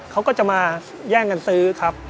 เขาก็จะมาแย่งกันซื้อครับ